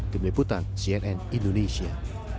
demiputan cnn indonesia